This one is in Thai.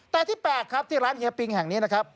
แต่ที่แปลกครับที่ร้านเฮียปิงแห่งนี้นะครับ